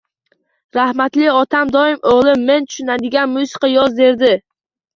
Rahmatli otam doim “O’g’lim men tushunadigan musiqa yoz” derdi.